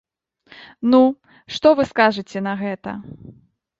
Ну, што вы скажаце на гэта?